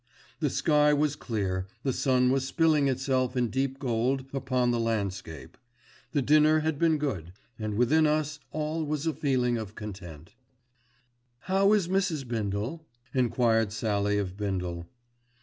The sky was clear, the sun was spilling itself in deep gold upon the landscape. The dinner had been good, and within us all was a feeling of content. "How is Mrs. Bindle?" enquired Sallie of Bindle.